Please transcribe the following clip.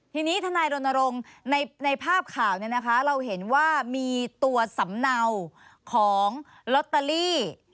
ทีนี้ทนายรณรงค์ในภาพข่าวเราเห็นว่ามีตัวสำเนาของลอตเตอรี่